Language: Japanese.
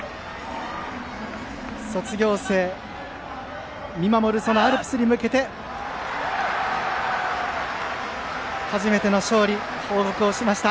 卒業生が見守るアルプスに向けて初めての勝利報告をしました。